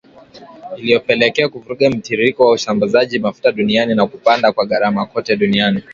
iliyopelekea kuvuruga mtiririko wa usambazaji mafuta duniani na kupanda kwa gharama kote duniani